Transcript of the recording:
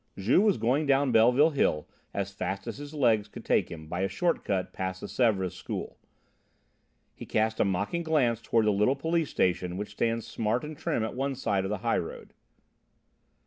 Juve was going down Belleville hill as fast as his legs could take him by a short cut past the Sèvres school. He cast a mocking glance toward the little police station which stands smart and trim at one side of the high road.